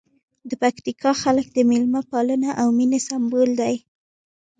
د پکتیکا خلک د مېلمه پالنې او مینې سمبول دي.